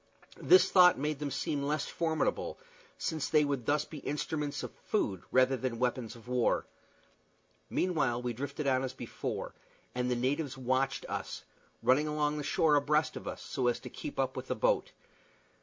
This thought made them seem less formidable, since they would thus be instruments of food rather than weapons of war. Meanwhile we drifted on as before, and the natives watched us, running along the shore abreast of us, so as to keep up with the boat.